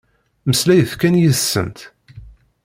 Mmeslayet kan yid-sent.